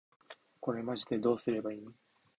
これマジでどうすれば良いん？